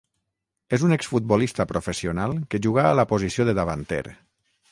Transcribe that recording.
És un exfutbolista professional que jugà a la posició de davanter.